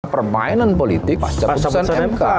permainan politik pasca pusca mk